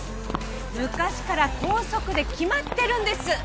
昔から校則で決まってるんです！